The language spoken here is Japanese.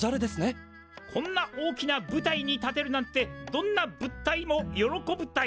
こんな大きな舞台に立てるなんてどんな物体もヨロコブタイ！